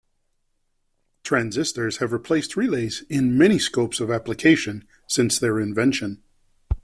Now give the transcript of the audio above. Transistors have replaced relays in many scopes of application since their invention.